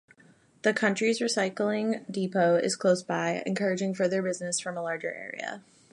The county's recycling depot is close by, encouraging further business from a large area.